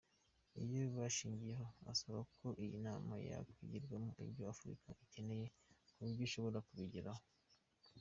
Ibyo yabishingiyeho asaba ko iyi nama yakwigirwamo ibyo Afurika ikeneye, n’uburyo ishobora kubigeraho.